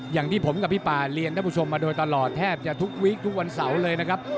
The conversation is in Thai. อย่างที่ผมกับพี่ป่าเรียนท่านผู้ชมมาโดยตลอดแทบจะทุกวีคทุกวันเสาร์เลยนะครับ